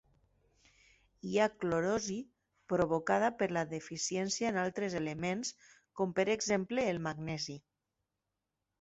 Hi ha clorosi provocada per la deficiència en altres elements com per exemple el magnesi.